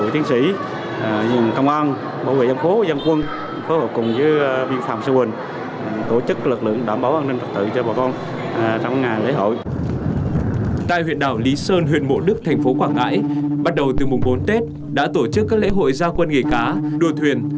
tại huyện đảo lý sơn huyện mộ đức thành phố quảng ngãi bắt đầu từ mùng bốn tết đã tổ chức các lễ hội gia quân nghề cá đua thuyền